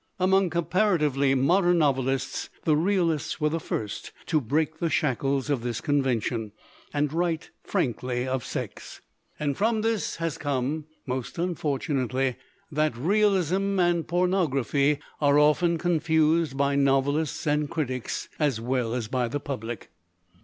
Among comparatively modern novelists the realists were the first to break the shackles of this convention, and write frankly of sex. And from this it has come, most unfortu nately, that realism and pornography are often confused by novelists and critics as well as by the public.